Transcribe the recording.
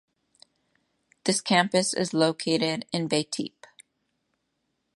This campus is located in Beytepe.